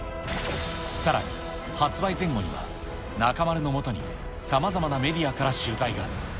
さらに、発売前後には中丸のもとにさまざまなメディアから取材が。